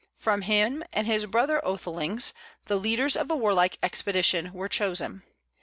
From him and his brother oethelings the leaders of a warlike expedition were chosen.